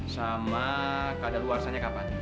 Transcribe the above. sama kadar luarsanya kapan